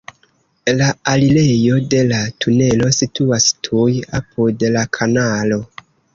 La alirejo de la tunelo situas tuj apud la kanalo.